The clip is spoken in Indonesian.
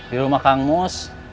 di rumah kang mus